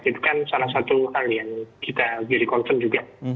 itu kan salah satu hal yang kita jadi concern juga